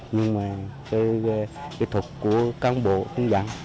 nhưng mà cái kỹ thuật của cán bộ không dặn